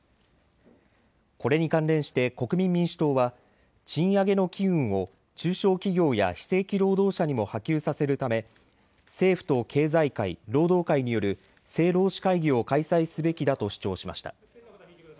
これに関連して国民民主党は賃上げの機運を中小企業や非正規労働者にも波及させるため政府と経済界、労働界による政労使会議を開催すべきだと主張しました。